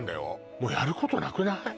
もうやることなくない？